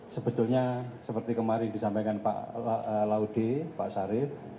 sebetulnya seperti kemarin disampaikan pak laude pak sarif